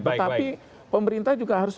tetapi pemerintah juga harus